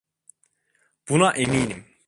Buna eminim.